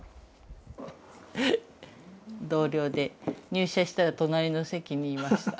同僚で入社したら隣の席にいました。